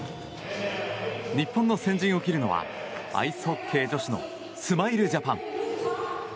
日本の先陣を切るのはアイスホッケー女子のスマイルジャパン。